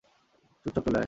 চুপচাপ চলে আয়।